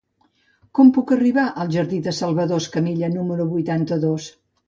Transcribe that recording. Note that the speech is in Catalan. Com puc arribar al jardí de Salvador Escamilla número vuitanta-dos?